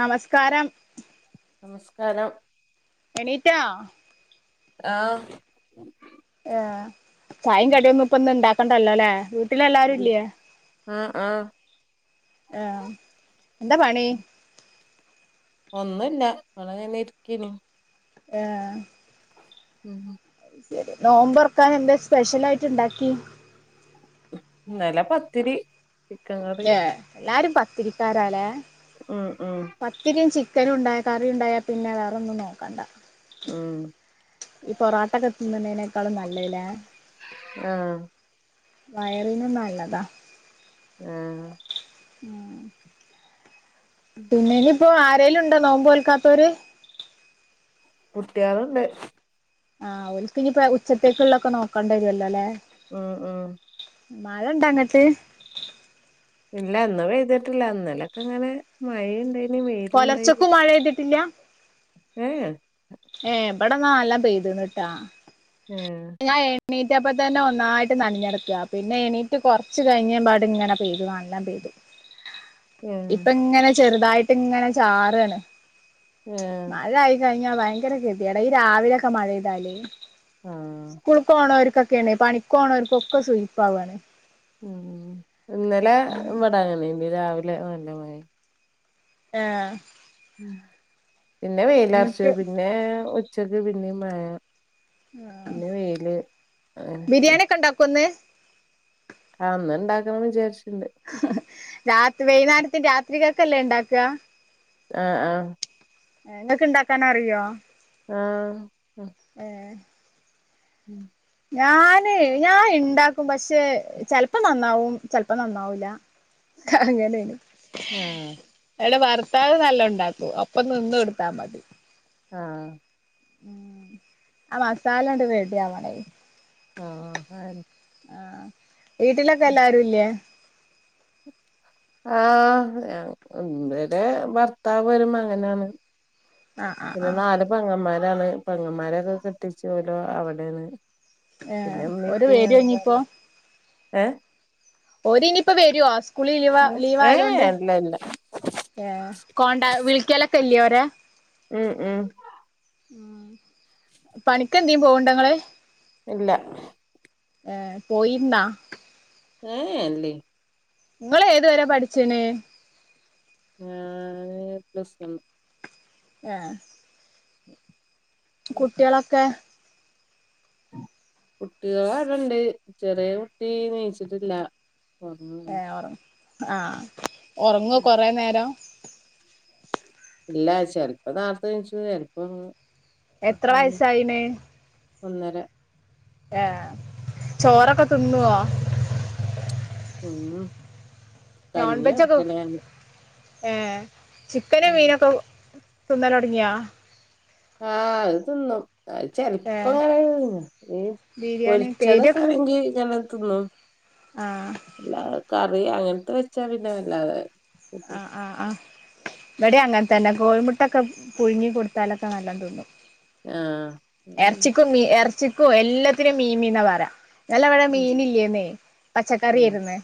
നമസ്കാരം നമസ്കാരം എണ്ണീറ്റോ ആഹ് ഉം അഹ് ചായിം കടിയൊന്നും പ്പന്ന് ണ്ടാക്കണ്ടല്ലൊല്ലേ ട്ടിലെല്ലാരും ഇല്ല്യെ ആഹ് ആഹ് ആഹ് എന്താപണി ഒന്നുല്ല ബ്ളങ്ങന്നെ ഇര്ക്കേന്നു ഏഹ് ഉം ഉം ശെടി നോമ്പർക്കാനെന്തേ സ്പെഷ്യലായിട്ട് ണ്ടാക്കി ഇന്നലെ പത്തിരി ചിക്കൻ കറി എല്ലാരും പത്തിരിക്കാരാലേ ഉം ഉം പത്തിരിം ചിക്കനുണ്ടായ കറിണ്ടായ പിന്നെ വേറൊന്നും നോക്കണ്ട ഉം ഈ പൊറാട്ടകെ തിന്നണേക്കാളും നല്ലല്ലെ ആഹ് വയറിനും നല്ലതാ ഏഹ് ഉം പിന്നെഞ്ഞിപ്പോ ആരെലുണ്ടോ നോമ്പോൽക്കാത്തോര് കുട്ട്യേള്ണ്ട് ആഹ് ഓൽക്ഞ്ഞിപ്പൊ ഉച്ചക്കെക്ള്ളൊക്കെ നോക്കണ്ടേരുല്ലോല്ലേ ഉം ഉം മഴണ്ടങ്കട്ട് ഇല്ലന്ന് പൈത്ട്ടില്ല ഇന്നേലൊക്കങ്ങനെ മഴെണ്ടായിന് വൈലുണ്ടായിന് മഴെത്ട്ടില്ല ഏഹ് ഏഹ് ബടന്നാ അല്ലാം പൈത്ന്ട്ടാ ഏഹ് ഞാ എണീറ്റപ്പതന്നെ ഒന്നായിട്ട് നൻഞ്ഞടക്ക പിന്നെ എണീറ്റ് കൊർച്ച് കഴിഞ്ഞെപാട് ങ്ങനെ പെയ്തു കാൺ ല്ലാം പൈതു ഏഹ് ഇപ്പങ്ങനെ ചെറ്തായിട്ട് ങ്ങനെ ചാറ് അണ് ഏഹ് മഴായി കൈഞ്ഞ ഭയങ്കര കെതെയ്ട ഈ രാവിലൊക്കെ മഴെയ്താലൈ ആഹ് ക്കൂൾക്കോണര്ക്കൊക്കെണ്യ പണിക്കോണോര്ക്കൊക്കെ സൂയിപ്പാവാണ് ഉം ഇന്നലെ ബ്ടന്നി [unintelligible] ങ്ങണ രാവ്ലെ നല്ല മഴ് ആഹ് ഉം പിന്നെ വെയിലെർച് എന്നിട്ട് പിന്നെ ഉച്ചക്ക് പിന്നിം മഴ പിന്നെ വൈല് അ ത് കണ്ടൊക്കൊന്ന് ആഹ് ഇന്ന് ഇണ്ടാക്കം വിജാര്ച്ച്ട്ട്ണ്ട് [unintelligible] രാത് വൈന്നേരത് രാത്രികക്കല്ലേ ണ്ടാക്അ ആഹ് ആഹ് എയേ ഇങ്ങക്ണ്ടാക്കാനറിയോ? ആഹ് ഏഹ് ഉം ഞാന് ഞാൻ ഉണ്ടാക്കും പക്ഷേ ചിലപ്പോ നന്നാവും ചിലപ്പോ നന്നാവൂല [unintelligible] അങ്ങനെയാണ് ആഹ് അവരുടെ ഭർത്താവ് നല്ല ഉണ്ടാക്കും ഒപ്പം നിന്ന് കൊടുത്താൽ മതി ആഹ് ഉം ആഹ് മസാലങ്‌ട്ട് റെടിയാവണ്യ ആഹ് അണ് ആഹ് വീട്ടിലൊക്കെ എല്ലാരും ഇല്ലേ ആഹ് ഇവിടെ ഭർത്താവ് ഒര് മകനാണ് ആ ആ ആ പിന്നെ നാല് പെങ്ങന്മാരാണ് പൊങ്ങന്മാരൊക്കെ കെട്ടിച്ചു ഓല് അവിടെണ് ഏ ഓര് പിന്നെമ്മീപ്പയും വരോ ഞങ്ങൾ ഇനിയിപ്പോ ഏഹ് ഓര് ഇനിയിപ്പോ വരുവോ സ്കൂളിൽ ലീവ് ഏഹ് ലീവായോണ്ട് ഇല്ല ഇല്ല ഏ്ഹ് കോണ്ട വിളിക്കാലൊക്കെ ഇല്ലൊരു ഉം ഉം ഉം പണിക്കെന്തും പോവണ്ടങ്ങള് ഇല്ല ഏഹ് പോയിരുന്നോ ഏഹ് ഇല്ല നിങ്ങള് ഏതു വരെ പഠിച്ചേന് ഞാൻ പ്ലസ് വൺ ഏഹ് കുട്ടികളൊക്കെ കുട്ടികള് അവിടെണ്ട് ചെറിയ കുട്ടി നീച്ചിട്ടില്ല ഒറങ്ങാണ് ഏഹ് ഉറ ആഹ് ഉറങ്ങോ കൊറേ നേരം ഇല്ല ചെിലപ്പോ നേരത്തെ നീച്ചും ചിലപ്പോ എത്ര വയസായിന് ഒന്നര ഏഹ് ചോറൊക്കെ തിന്നോ ആഹ് നോൺവെജൊക്കെ ഏഹ് ചിക്കനും മീനൊക്കെ തിന്നൽ തുടങ്ങിയോ ആഹ് അത് തിന്നും അത് ഏ ചെിലപ്പം ങ്ങനെ തിന്നും ബിരിയാണി പേരൊക്കെ പൊരിച്ചതൊക്കണെങ്കി നമ്മളെ തിന്നും ആഹ് എല്ലാ കറി അങ്ങനത്തെ വെച്ചാ പിന്നെ വല്ലാതെ കൂട്ടൂല. ആഹ് ആഹ് ആഹ് ഇവിടെ അങ്ങനെ തന്നെ കോഴിമുട്ടൊക്കെ പുഴുങ്ങി കൊടുത്താലൊക്കെ നല്ലോം തിന്നും ആഹ് ഇറച്ചിക്കും മീ ഇറച്ചിക്കും എല്ലാത്തിനും മീമി എന്ന് പറയ ഇന്നലെ ഇവിടെ മീൻ ഇല്ലേന്നേ ആഹ് പച്ചക്കറിയിരുന്ന്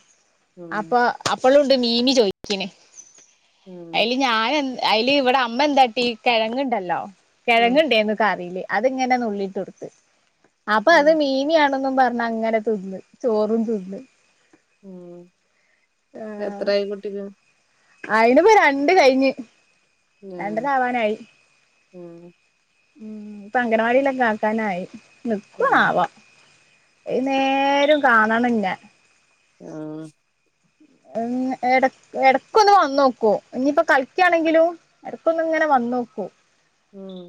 ഉം അപ്പൊ അപ്പോളുണ്ട് മീമി ചോയിക്ക്ണ് ഉം ഞാന് എ അയ്ല് ഇവിടെ അമ്മ എന്താട്ടീ കിഴങ്ങുണ്ടല്ലോ ഉം കിഴങ്ങുണ്ടേന്ന് കറീല് അത്ങ്ങനെ നുള്ളിട്ട് കൊടുത്ത് അപ്പൊ അത് ഉം മീമിയാണന്നും പറഞ്ഞ അങ്ങനെ തിന്ന് ചോറും തിന്ന് ഉം എത്രായി കുട്ടിക്ക് അയിനിപ്പൊ രണ്ട് കഴിഞ്ഞ് ആഹ് രണ്ടര ആവാനായി ആഹ് ഉം ഇപ്പൊ അംഗനവാടിയിലൊക്കെ ആക്കാനായി ആഹ് നിക്കോന്നാവോ ഏത് നേരും കാണണം ന്നെ ആഹ് ഉം എടക്ക്‌ ഒന്ന് വന്ന് നോക്കും ഇനിയിപ്പോ കളിക്കയാണെങ്കിലും എടകൊന്ന് ങ്ങനെ വന്നോക്കും ഉം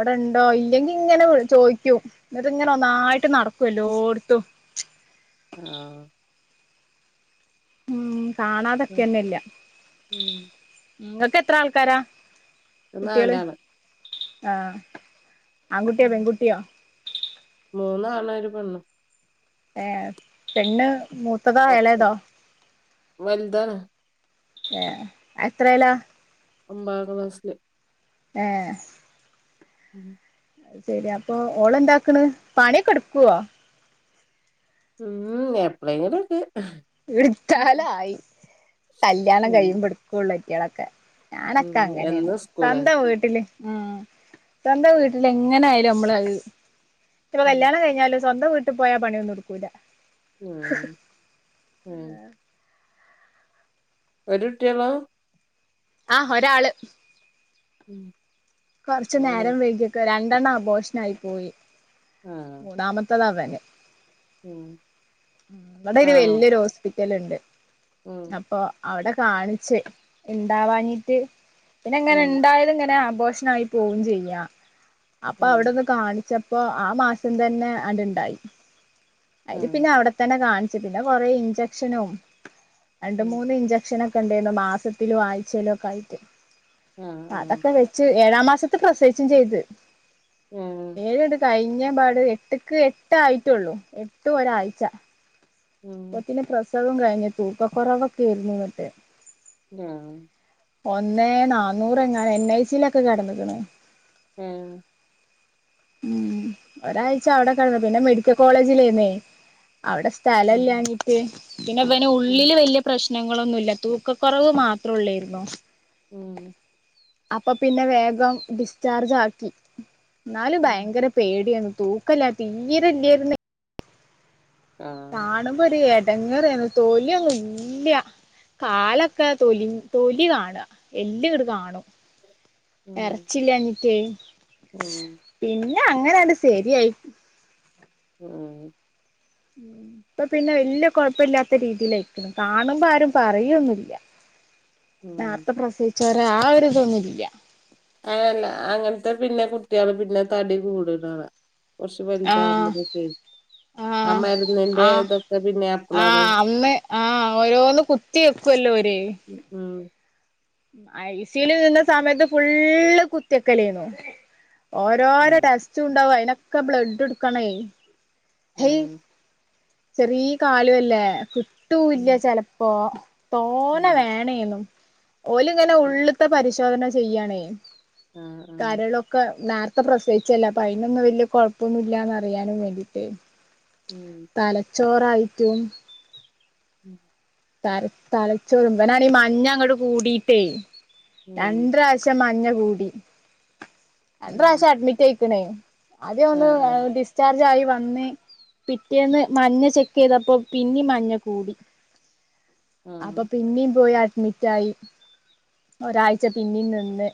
വടെണ്ടോ ഇല്ലെങ്കി ങ്ങനെ ചോദിക്കൂ ന്നട്ട് ങ്ങനെ ഒന്നായിട്ട് നടക്കുവെ ല്ലോട്ത്തും. ആഹ് കാണാതക്കെന്നെല്ല ഉം ങ്ങക്ക് എത്ര ആൾക്കാരാ കുട്ടിയെള് നാലാണ് ആഹ് ആൺകുട്ടിയോ ഉം പെൺകുട്ടിയോ മൂന്നാണും ഒരു പെണ്ണും ഏഹ് പെണ്ണ് മൂത്തതോ എളേതോ വൽതാണ് ഏ എത്രേലാ ഒമ്പതാം ക്ലാസ്സില് ഏഹ് ഉം ശെരി അപ്പൊ ഓളന്താക്കണ് പണിഒക്കെടുക്കുവോ ഉം എപ്പളേങ്കിലൊക്കെ ഇട്ത്താലായി കല്യാണം ഉം കഴിയുമ്പോ എട്കൊള്ളു അയ്റ്റെളൊക്കെ ഉം ഞാനൊക്കങ്ങനെണ് എന്നും സ്കൂളാ സ്വന്തം വീട്ടില് ഉം സ്വന്തം വീട്ടിലെങ്ങനായാലും നമ്മളത് ഇപ്പൊ ഉം കല്യാണം കഴിഞ്ഞാലും സ്വന്തം വീട്ടി പോയാ പണിയൊന്നെടുക്കൂല്ല ഉം ഉം ഒരുട്ടിയോള്ളൂ ആഹ് ഒരാള് ഉം കൊർച്ച് നേരം വൈകിയൊക്കെ രണ്ടെണ്ണം അബോഷനായി പോയി ആഹ് മൂന്നാമത്തതവന് ഉം ഇവിടെയൊരു ആണോ വല്ലിയൊരു ഹോസ്പിറ്റല്ണ്ട് ഉം അപ്പൊ അവടെ കാണിച്ച് ണ്ടാവാനീട്ട് പിന്നെ ങ്ങനെ ഉം ണ്ടായാലും ങ്ങനെ അബോഷനായി പോവും ചെയ്യാ അപ്പ ഉം അവടൊന്ന് കാണിച്ചപ്പോ ആ മാസം തന്നെ അവന്ണ്ടായി. അയ്ല് ആഹ് പിന്നെ അവടെത്തന്നെ കാണിച് പിന്നെ കൊറേ ഇഞ്ചെക്ഷനൊ രണ്ട് ഉം മൂന്ന് ഇഞ്ചക്ഷനൊക് ക്കെണ്ടേയ്നു മാസത്തിലും ആഴ്ചേലൊക്കായിട്ട് ആഹ് ആഹ് അതൊക്കെ വെ ച്ച് ഏഴാ മാസത്തി പ്രസവിച്ചും ചെയ്ത് ഏഹ് ഏഴട് കഴിഞ്ഞ പാട് എട്ട് ക്ക് എട്ട് ആയിട്ടോള്ളൂ എട്ട് ഒരാഴ്ച ഉം അപ്പത്തിന് പ്രസവം കഴിഞ്ഞ് തൂക്കക്കുറവൊക്കായിരുന്നു ന്നട്ട് ആഹ് ഒന്നേ നാന്നൂറ് എങ്ങാണ്ട് എൻ ഐ സിയിലൊക്കെ കെടന്ന്കണ് ഏഹ് ഉം ഒരാഴ്ച അവടെ കടന്ന് പിന്നെ മെഡിക്കൽ കോളേജിലേന്നേ അവടെ ഉം സ്ഥലല്ലാഞ്ഞിട്ട് പിന്നെ വന് ഉം ഉള്ളില് വല്ല്യ പ്രശ്നങ്ങളൊന്നുല്ല തൂക്കകൊറവ് മാത്രയോല്ലാരുന്നോ ഉം അപ്പൊ പിന്നെ വേഗം ഡിസ്ചാർജ് ആക്കി എന്നാലും ഉം ഭയങ്കര- പേടിയെന്നു തൂക്കല്ലാരുന്നു തീരെല്ലര്ന്നേ ആഹ് കാണുമ്പോ ഒരു ഏടങ്ങേറേരായിരുന്നു തോലിയങ്ങ് ഇല്ല കാലൊക്കെ തൊലി തൊലി കാണുവ എല്ല് അങ്ങട് കാണും അങ്ങട് കാണും ഉം എറച്ചി ഇല്ലാഞ്ഞിട്ടേ ഉം പിന്നെ അങ്ങനാണ്ട് ശരിയായി ഉം ഇപ്പ പിന്നെ വല്ലിയ കൊഴപ്പല്ലാത്ത രീതിയിലായിരിക്കണ് കാണുമ്പോ ആരും പറയൊന്നുല്ല. ഉം നേരുത്തെ പ്രസവിച്ചോ ആ ഒരു ഇത്‌യില്ല ആഹ് അല്ല അങ്ങനത്തെ പിന്നെ കുട്ടികള് പിന്നെ തടി കൂടുലാന്ന് കൊറച്ച് വലുതാകുമ്പോ ആഹ് കുത്തി വയ്ക്കും ആഹ് ആഹ് പിന്നെ അപ്പളാണ് ആഹ് അന്നെ ആഹ് ഓരോന്ന് കുത്- കുത്തി വെക്കുല്ലോ ഓര്. ഉം. ഐ സി യു യിൽ നിന്ന സമയത്ത് ഫുള്ള് കുത്തിവയ്ക്കലായിരുന്നു ഓരോരോ ടെസ്റ്റുയുണ്ടാവും അയിനൊക്കെ ബ്ലഡ് എടുക്കണേ ഏയെ ആഹ് ചെറിയ കാലും അല്ലേ ഉം ഒട്ടൂല്ല ചെലപ്പോ തോനെ ആഹ് വേണേന്നും. ഓല് ഇങ്ങനെ ഉം ഉള്ള്ത്തെ പരിശോധന ചെയ്യാണേ ആഹ് ആഹ് കരളൊക്കെ. ഒക്കെ നേര്ത്തെ പ്രസവിച്ചല്ലേ അപ്പൊ അയ്നൊന്നും വല്ലിയ കൊഴപ്പൊന്നും ഇല്ലാന്നറിയാനും വേണ്ടിട്ട്. ഉം തലച്ചോറായിട്ടും [inaudible] തല തലച്ചോറ് ഇവനാണെങ്കി മഞ്ഞ അങ്ങോട്ട് കൂടിട്ടേ ഉം രണ്ട് പ്രാവ്ശ്യം. ഇച്ഛറെ മഞ്ഞ കൂടി. രണ്ട് ഉം പ്രാവശ്യം അഡ്മിറ്റ് അയിക്ക്ണ് ആദ്യ ഒന്ന് ആഹ് ഡിസ്. ഡിസ് ചാർജ് ആയി വന്ന് പിറ്റേന്ന് മഞ്ഞ ചെക്ക് ചെയ്തപ്പോ പിന്നേ മഞ്ഞ കൂടി. അപ്പൊ ആഹ് പിന്നേം പോയി അഡ്മിറ്റായി ഒരാഴ്ച പിന്നേം നിന്ന്.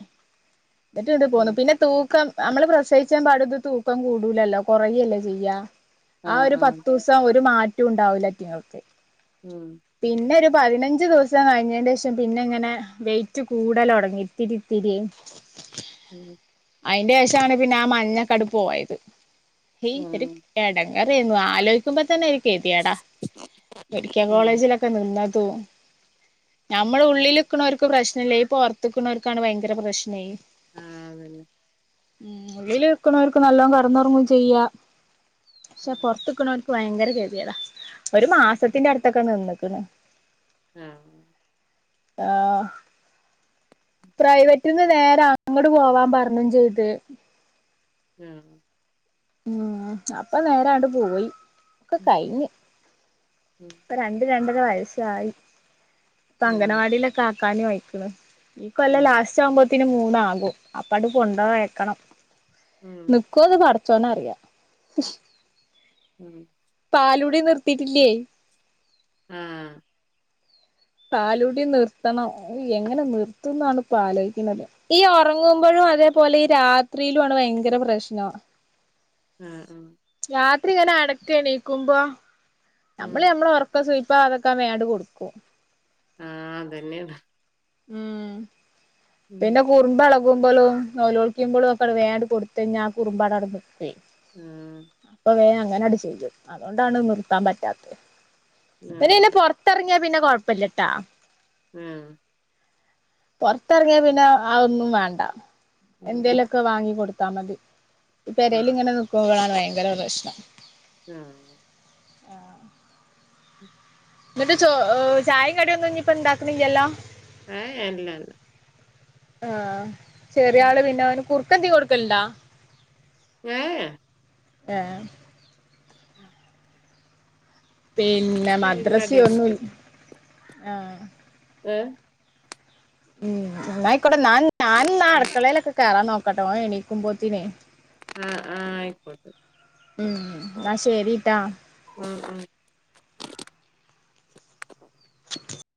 എന്നിട്ട് ഇങ്ങട് പോന്നു ആഹ് പിന്നെ തൂക്കം- നമ്മള് പ്രസവിയിച്ചാ പാടെ തൂക്കം കൂടൂവല്ലോ കൊറയല്ലെ ചെയ്യാ ആഹ് ആ ആഹ് ഒരു ആഹ് പത്തു ദെവസം സം ഒരു മാറ്റോം ഇണ്ടാവില്ല നിങ്ങൾക്ക് ഉം. പിന്നെ ഒരു- പതിനഞ്ച് ദെവസം കഴിഞ്ഞെന്റെ പിന്നെ ഇങ്ങനെ വെയിറ്റ് കൂടല് തൊടങ്ങി പിന്നെ ഇത്തിരി ഇത്തിരിയെ - [inaudible] ഉം അയിന്റ ശേഷം ആണ് പിന്നെ ആ മഞ്ഞ അങ്ങട് പോയത് ഒരു ഉം - എടങേരായിരുന്നു ആലോചിക്കുമ്പോ തന്നെ ഒര് ഗതികേട് മെഡിക്ക കോളേജിലൊക്കെ നിന്ന് - ഉം ഞമ്മള് ഉള്ളില്- ക്ക്ണോർക്ക് പ്രശ്നല്ലേ ഈ പൊറത്ത് നിക്ക്ണോര്ക്കാണ് ഭയങ്കര പ്രശ്നം ആഹ് അത് തന്നെ ഉം ഉള്ളില് നിക്കണോർക്ക് നല്ലോണം കെടന്ന് ഉറങ്ങുവേം ചെയ്യാം പക്ഷെ ഉം പൊറത്ത് നിക്കണോർക്ക് ഭയങ്കര ഗതികേടാ ഒരു മാസത്തിന്റെ അടുത്തൊക്കെ നിന്നേക്ക്ണ്. ആഹ്. ആഹ്. പ്രൈവറ്റ് നിന്ന് നേരെ അങ്ങട് പോവാൻ പറഞ്ഞും ചെയ്ത്. ഉം ഉം അപ്പൊ നേരേയാണ്ട് പോയി ഒക്കെ കഴിഞ്ഞ് ഉം. ഇപ്പൊ രണ്ട് രണ്ടര വയസായി ഇപ്പൊ ആഹ് അംഗൻവാടിയിലൊക്കെ ആക്കാനു അയ്ക്ണ്. ഇ കൊല്ലം ആഹ് ലാസ്റ്റ് ആവുമ്പോത്ത്ന് മൂന്നാകും അപ്പണ്ട് കൊണ്ടോയാക്കണം. ഉം നിക്കോന്ന് പടച്ചോനറിയാ ഉം. പാലൂടി നിർത്തിട്ടില്ലേയ് ആഹ്. പാലുടി നിർത്തണം അയ് എങ്ങനെ നിർത്തുന്നാണ് ഇപ്പ ആലോയ്ക്ക്ണത്. ഈ ഒറങ്ങുമ്പോഴും അതേപോലെ ഈ രാത്രിയിലു ആണ് ഭയങ്കര പ്രശ്നം. ആഹ് ആഹ് രാത്രി ഇങ്ങനെ അടക്കെണീക്കുമ്പോ ഉം ഞമ്മള് ഞമ്മളെ ഒറക്കം സുയിപ്പാവാതെക്കാൻ വേം ആണ്ട് കൊടുക്കും ആഹ് അതന്നെണ് ഉം പിന്നെ കുറുമ്പ് എളകുമ്പളും നോലോളിക്ക്മ്പളും ഒക്കെണ്ട് വേം ആണ്ട് കൊടുത്തഞ്ഞാ ആ കുറുമ്പ് അടെ അടെനിക്കൊയ് ഉം അപ്പൊ വേം അങ്ങനെ അണ്ട് ചെയ്ത് അതുകൊണ്ടാണ് നിർത്താൻ പറ്റാത്തത് പിന്നെ ന്നെ പൊറത്ത് തെറങ്ങിയ പിന്നെ കൊഴപ്പല്ലട്ടാ. ഉം. പൊറത്തെറങ്ങിയാ പിന്നെ ആഹ് ഒന്നും വേണ്ട എന്തേലൊക്കെ ക്കെ വാങ്ങി കൊടുത്താമതി ഈ പെരേൽ ഇങ്ങനെ നിക്കുമ്പയാണ് ഭയങ്കര പ്രശ്നം ആഹ് ആഹ് ഉം ന്നട്ട് ചോ ചായിം കടിയൊന്നും ഇഞ് ഇപ്പ ഇടണ്ടാക്ണ്യ്യല്ലോ ഏയേ ഇല്ലല്ല ആഹ് ചെറിയ ഉം. ആള് പിന്നെ അവന് കുറുക്കെന്ത്യേ കൊടുക്കല്ണ്ടാ ഏയേ ഏഹ് ഉം പിന്നെ അതിന്റെ മദ്രസി അടിയൊന്നും ഒന്നുൽ ആഹ് ഏഹ് ഉം ഇന്നായിക്കോട്ടെ നാൻ ഞാൻ ന്നാ ഉം. അടുക്കളയിലൊക്കെ കേറാൻ നോക്കട്ടെ ഓൻ എണീക്കുമ്പോത്തിന് ആഹ് ആഹ് അയ്ക്കോട്ടെ ഉം ന്നാ ശരി ട്ടാ ഉം ഉം [inaudible]